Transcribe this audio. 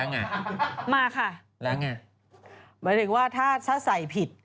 หมายถึงว่าถ้าใส่ผิด